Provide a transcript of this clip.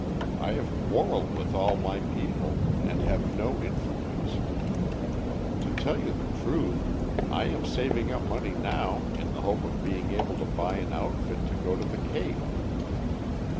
I have quarrelled with all my people, and have no influence. To tell you the truth, I am saving up money now in the hope of being able to buy an outfit to go to the Cape."